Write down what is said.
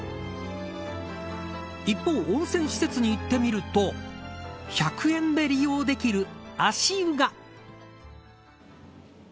一方、温泉施設に行ってみると１００円で利用できる足湯が。